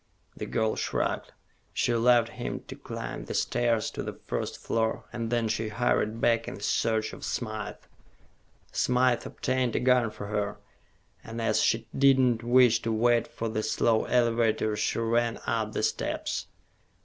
The girl shrugged. She allowed him to climb the stairs to the first floor, and then she hurried back in search of Smythe. Smythe obtained a gun for her, and as she did not wish to wait for the slow elevator, she ran up the steps.